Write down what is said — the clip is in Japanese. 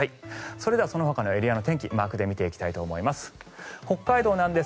それではそのほかのエリアの天気マークで見ていきます。